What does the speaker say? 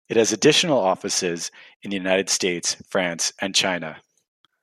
It has additional offices in the United States, France, and China.